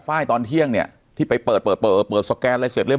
ไฟล์ตอนเที่ยงเนี่ยที่ไปเปิดเปิดเปิดสแกนอะไรเสร็จเรีย